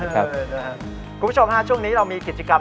คุณผู้ชมฮะช่วงนี้เรามีกิจกรรม